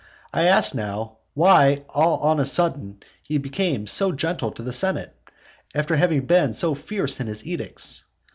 I ask now, why all on a sudden he became so gentle in the senate, after having been so fierce in his edicts?